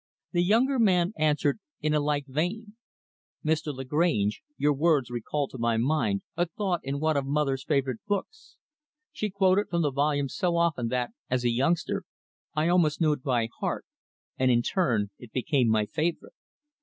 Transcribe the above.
The younger man answered in a like vein; "Mr. Lagrange, your words recall to my mind a thought in one of mother's favorite books. She quoted from the volume so often that, as a youngster, I almost knew it by heart, and, in turn, it became my favorite.